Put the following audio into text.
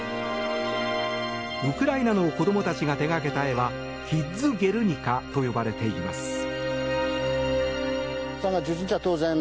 ウクライナの子どもたちが手掛けた絵は「キッズゲルニカ」と呼ばれています。